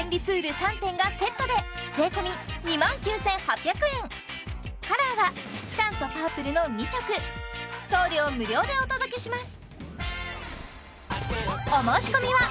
３点がセットで税込２万９８００円カラーがチタンとパープルの２色送料無料でお届けします